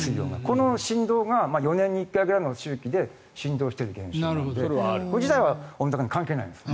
この振動が４年に１回くらいの周期で振動している現象なのでこれ自体は温暖化に関係ないんです。